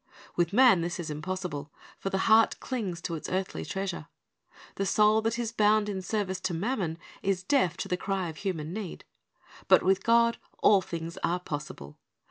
With man this is impossible, for the heart clings to its earthly treasure. The soul that is bound in service to mammon is deaf to the cry of human need. But with God all things are possible.